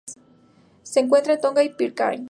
Se encuentra en Tonga y Pitcairn.